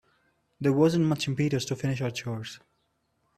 There wasn't much impetus to finish our chores.